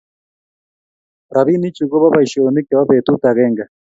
Robinichu koba boishonik chebo betut agenge